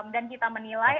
dan kita menilai